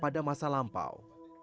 pada masa lampau